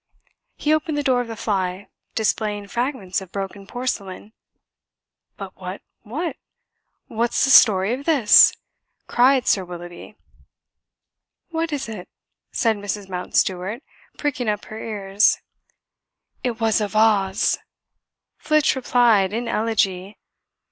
He opened the door of the fly, displaying fragments of broken porcelain. "But, what, what! what's the story of this?" cried Sir Willoughby. "What is it?" said Mrs. Mountstuart, pricking up her ears. "It was a vaws," Flitch replied in elegy.